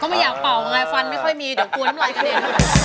ไม่อยากเป่าไงฟันไม่ค่อยมีเดี๋ยวกลัวน้ำลายกระเด็น